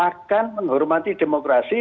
akan menghormati demokrasi